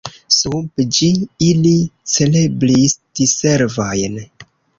Sub ĝi ili celebris diservojn.